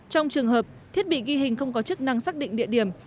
trong trường hợp thiết bị ghi hình không có chức năng xác định địa điểm